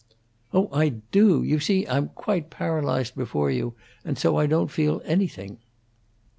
"Oh, I do! You see, I'm quite paralyzed before you, and so I don't feel anything."